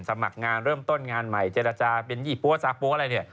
สมัครงานเริ่มต้นงานใหม่เจรจาเป็นยี่ปั้วสาปั๊วอะไรเนี่ย